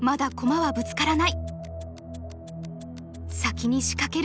はい。